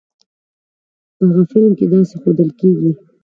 په هغه فلم کې داسې ښودل کېږی.